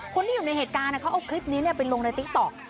คนที่อยู่ในเหตุการณ์เขาเอาคลิปนี้ไปลงในติ๊กต๊อก